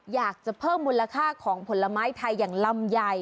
อยากจะเพิ่มมูลค่าของผลไม้ไทยอย่างลำไย